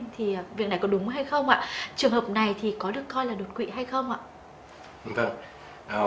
thì việc này có đúng hay không ạ trường hợp này thì có được coi là đột quỵ hay không ạ